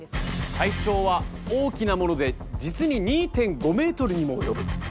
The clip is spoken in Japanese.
体長は大きなもので実に２．５ｍにも及ぶ。